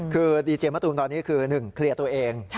ก็ดีเจมส์มัตตูมตอนนี้คือหนึ่งเคลียร์ตัวเอง